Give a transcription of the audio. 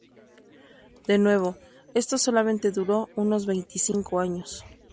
De nuevo, esto solamente duró unos veinticinco años.